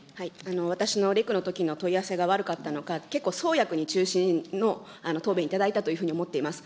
私のレクのときの問い合わせが悪かったのか、結構、創薬に中心の答弁いただいたというふうに思っています。